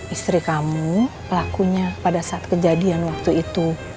istri kamu pelakunya pada saat kejadian waktu itu